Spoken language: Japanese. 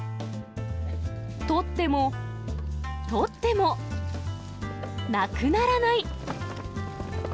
取っても、取ってもなくならない。